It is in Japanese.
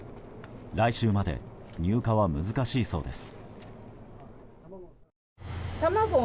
来週まで入荷は難しいそうです。